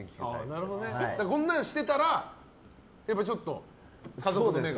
こんなのしてたらやっぱりちょっと家族の目が。